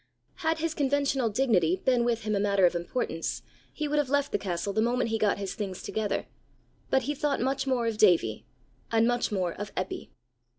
Had his conventional dignity been with him a matter of importance, he would have left the castle the moment he got his things together; but he thought much more of Davie, and much more of Eppy.